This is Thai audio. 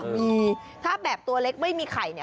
มีถ้าแบบตัวเล็กไม่มีไข่เนี่ย